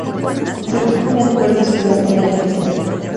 Se trata de acuerdos bilaterales.